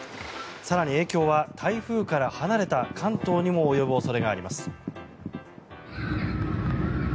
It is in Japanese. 更に、影響は台風から離れた関東にも及ぶ恐れがあります。